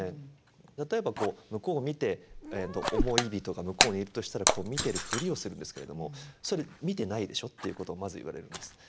例えばこう向こうを見て思い人が向こうにいるとしたらこう見てるふりをするんですけれども「それ見てないでしょ？」っていうことをまず言われるんです。